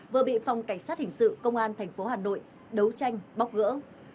vừa bị phòng cảnh sát hình sự công an tp hà nội đấu tranh bóc gỡ